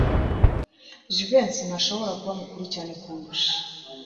Jivency ntashobora kuba mukuru cyane kundusha.